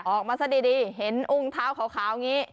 ออกมาซะดีเห็นอุ้งเท้าขาวอย่างนี้